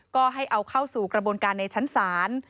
ก็ให้เอาเข้าสู่กระบวนการในชั้นศาล